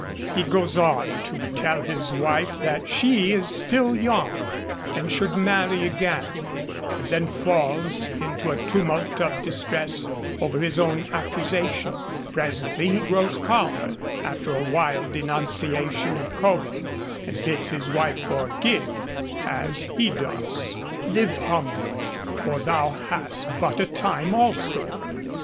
He goes on to tell his wife that she is still young, and should marry again; and then falls into a tumult of distress over his own accusation. Presently he grows calmer, after a wild denunciation of Cobham, and bids his wife forgive, as he does: Live humble, for thou hast but a time also.